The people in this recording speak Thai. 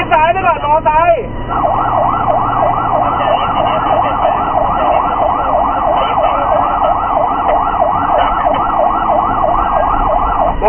กิ๊ดซ้ายไปก่อนนะครับฉุกเฉินเท่ากันแม่นะครับ